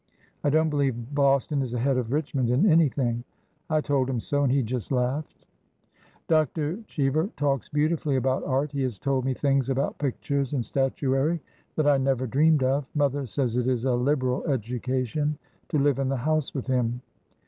I don't believe Boston is ahead of Richmond in anything, I told him so, and he just laughed. Dr. Cheever talks beautifully about art. He has told me things about pictures and statuary that I never dreamed of. Mother says it is a liberal education to live in the house with him.